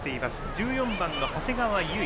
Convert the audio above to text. １４番の長谷川唯。